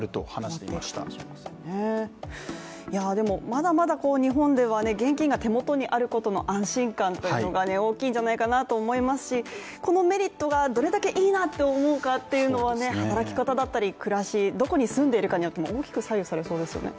まだまだ日本では現金が手元にあることの安心感が大きいんじゃないかなと思いますしこのメリットがどれだけ、いいなって思うかどうかっていうのは、働き方だったり暮らし、どこに住んでいるかによっても大きく左右されそうですよね。